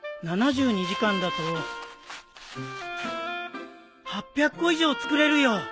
７２時間だと８００個以上作れるよ。